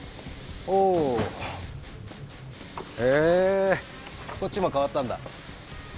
お。へこっちも代わったんだ。